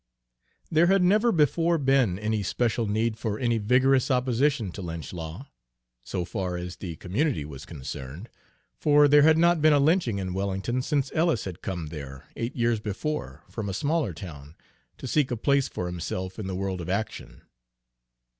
There had never before been any special need for any vigorous opposition to lynch law, so far as the community was concerned, for there had not been a lynching in Wellington since Ellis had come there, eight years before, from a smaller town, to seek a place for himself in the world of action.